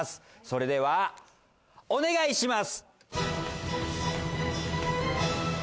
それではお願いします